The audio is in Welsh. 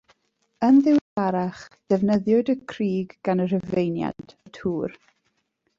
Yn ddiweddarach, defnyddiwyd y crug gan y Rhufeiniaid, fel tŵr.